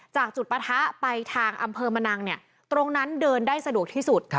จากจุดปะทะไปทางอำเภอมะนังตรงนั้นเดินได้สะดวกที่สุด